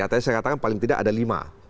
tadi saya katakan paling tidak ada lima